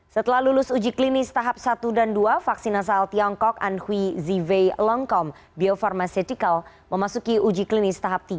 setelah lulus uji klinis tahap satu dan dua vaksin asal tiongkok anhui zive longkong bio farmaceutical memasuki uji klinis tahap tiga